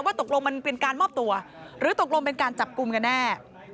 ตกลงมันเป็นการมอบตัวหรือตกลงเป็นการจับกลุ่มกันแน่